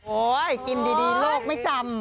โอ้ยกินดีโลกไม่จำ